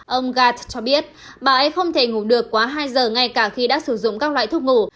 ông garth cho biết bà ấy không thể ngủ được quá hai giờ ngay cả khi đã sử dụng các loại thuốc ngủ